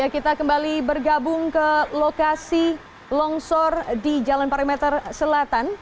kita kembali bergabung ke lokasi longsor di jalan parameter selatan